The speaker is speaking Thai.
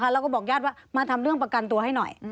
แล้วก็บอกญาติว่ามาทำเรื่องประกันตัวให้หน่อย